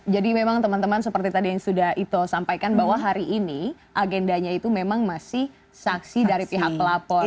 jadi memang teman teman seperti tadi yang sudah ito sampaikan bahwa hari ini agendanya itu memang masih saksi dari pihak pelapor